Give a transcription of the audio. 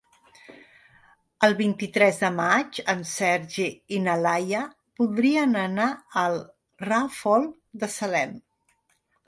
El vint-i-tres de maig en Sergi i na Laia voldrien anar al Ràfol de Salem.